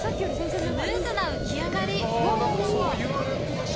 スムーズな浮き上がり。